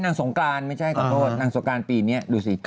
สงกรานไม่ใช่ขอโทษนางสงการปีนี้ดูสิ